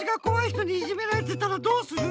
ひとにいじめられてたらどうする？